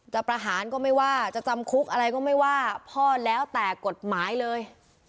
ประหารก็ไม่ว่าจะจำคุกอะไรก็ไม่ว่าพ่อแล้วแต่กฎหมายเลย